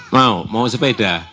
mau mau sepeda